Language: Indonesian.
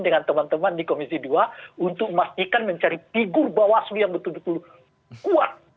dengan teman teman di komisi dua untuk memastikan mencari figur bawaslu yang betul betul kuat